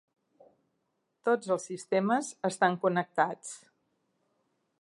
Tots els sistemes estan connectats.